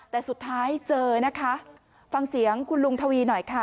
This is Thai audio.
แต่สุดท้ายเจอนะคะฟังเสียงคุณลุงทวีหน่อยค่ะ